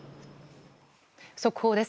速報です。